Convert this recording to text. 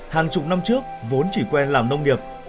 hàng chục năm trước vốn chỉ quen làm nông nghiệp